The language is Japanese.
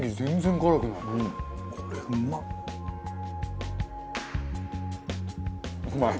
これうまっ！